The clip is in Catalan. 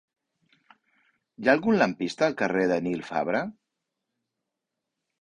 Hi ha algun lampista al carrer de Nil Fabra?